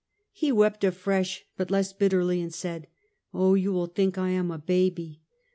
" He wept afresh but less bitterly, and said: " Oh you will think I am a baby